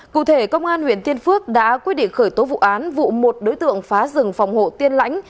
cụ thể công an huyện tiên phước đã quyết định khởi tố vụ án vụ một đối tượng phá rừng phòng hộ tiên lãnh